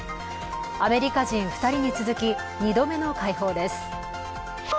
アメリカ人２人に続き、２度目の解放です。